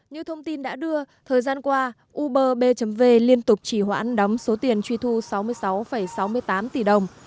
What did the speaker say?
như thông tin đã đưa thời gian qua uber bv liên tục chỉ hoãn đóng số tiền truy thu sáu mươi sáu sáu mươi tám tỷ đồng